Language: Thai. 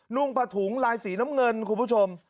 นุ่งผถุงลายสีน้ำเงินคุณผู้ชม